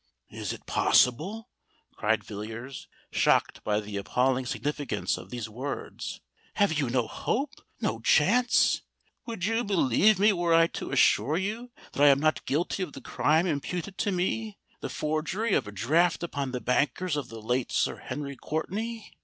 "Is it possible?" cried Villiers, shocked by the appalling significance of these words: "have you no hope—no chance——" "Would you believe me were I to assure you that I am not guilty of the crime imputed to me—the forgery of a draft upon the bankers of the late Sir Henry Courtenay?"